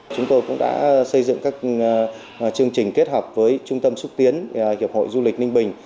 chúng tôi cũng đã xây dựng các chương trình kết hợp với trung tâm xúc tiến hiệp hội du lịch ninh bình